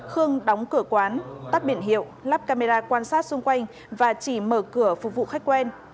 khương đóng cửa quán tắt biển hiệu lắp camera quan sát xung quanh và chỉ mở cửa phục vụ khách quen